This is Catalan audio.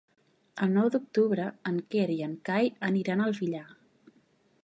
El nou d'octubre en Quer i en Cai aniran al Villar.